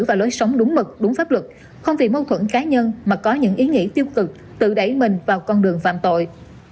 và lối sống đúng mực đúng pháp luật không vì mâu thuẫn cá nhân mà có những ý nghĩa tiêu cực tự đẩy mình vào con đường phạm tội